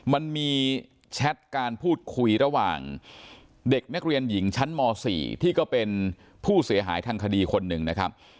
มันมีแชทการพูดคุยระหว่างเด็กนักเรียนหญิงชั้นม๔ที่ก็เป็นผู้เสียหายทางคดีคนหนึ่งนะครับ